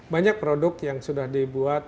banyak produk yang sudah dibuat